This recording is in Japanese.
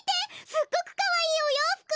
すっごくかわいいおようふく！